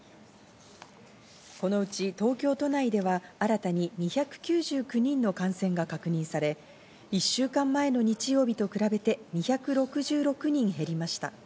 このうち東京都内では新たに２９９人の感染が確認され、１週間前の日曜日と比べて２６６人減りました。